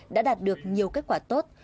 đã đạt được nhiều kết quả tốt